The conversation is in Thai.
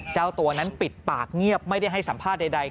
เจ้าตัวนั้นปิดปากเงียบไม่ได้ให้สัมภาษณ์ใด